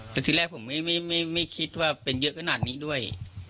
แต่ที่แรกผมไม่คิดว่าเป็นเยอะขนาดนี้ด้วย